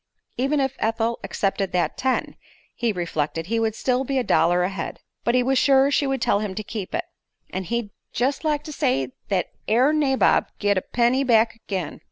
Even if Ethel accepted that ten, he reflected, he would still be a dollar ahead. But he was sure she would tell him to keep it; and he'd "jest like to see thet air nabob git a penny back agin."